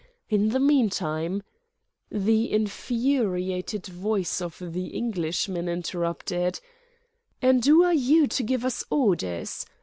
In the meantime—" The infuriated voice of the Englishman interrupted: "And 'oo're you to give us orders?